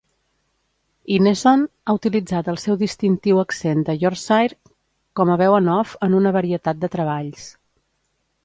Ineson ha utilitzat el seu distintiu accent de Yorkshire com a veu en off en una varietat de treballs.